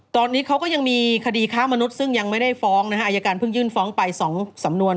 ตอนนี้เขาก็ยังมีคดีค้ามนุษย์ซึ่งยังไม่ได้ฟ้องนะฮะอายการเพิ่งยื่นฟ้องไป๒สำนวน